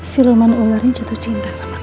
senuman ular ini jatuh cinta sama kamu